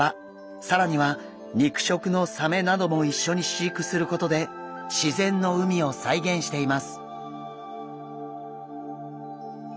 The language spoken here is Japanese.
更には肉食のサメなども一緒に飼育することで自然の海を再現しています。